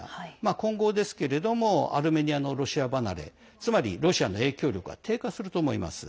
今後ですけれどもアルメニアのロシア離れつまり、ロシアの影響力は低下すると思います。